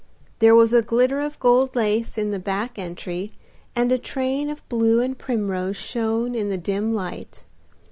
There was a glitter of gold lace in the back entry, and a train of blue and primrose shone in the dim light.